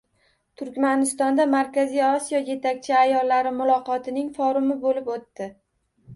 Turkmanistonda Markaziy Osiyo yetakchi ayollari muloqotining forumi bo‘lib o‘tdi